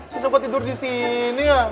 bisa gue tidur di sini ya